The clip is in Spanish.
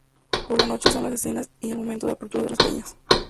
Por la noche son las cenas y el momento de apertura de las peñas.